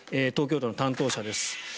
東京都の担当者です。